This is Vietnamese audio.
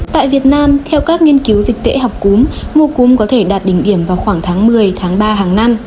tại việt nam theo các nghiên cứu dịch tễ học cúm mùa cúm có thể đạt đỉnh điểm vào khoảng tháng một mươi tháng ba hàng năm